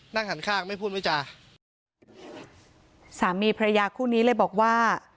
นั่งหันข้างไม่พูดไม่จาสามีพระยาคู่นี้เลยบอกว่า